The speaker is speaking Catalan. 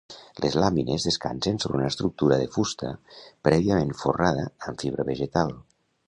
Les làmines descansen sobre una estructura de fusta prèviament forrada amb fibra vegetal.